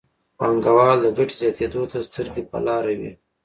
پانګوال د ګټې زیاتېدو ته سترګې په لاره وي.